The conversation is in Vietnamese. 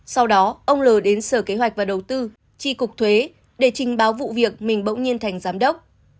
sau đó ông l đến sở kế hoạch và đầu tư tri cục thuế để trình báo vụ việc mình bỗng nhiên thành giám đốc